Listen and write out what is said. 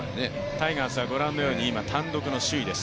タイガースは今ご覧のように単独の首位です。